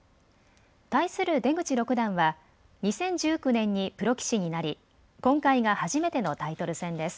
対する出口六段は２０１９年にプロ棋士になり今回が初めてのタイトル戦です。